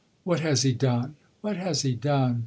"What has he done what has he done?"